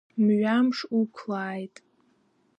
Мҩамш уқәлааит!